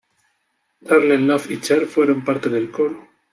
Darlene Love y Cher fueron parte del coro.